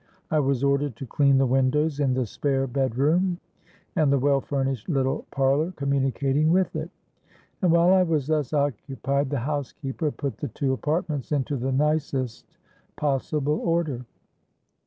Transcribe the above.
I was ordered to clean the windows in the spare bed room and the well furnished little parlour communicating with it; and while I was thus occupied, the housekeeper put the two apartments into the nicest possible order.